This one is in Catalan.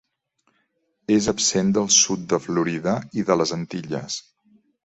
És absent del sud de Florida i de les Antilles.